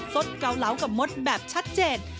สดเกาเหลากับมดแบบชัดเจน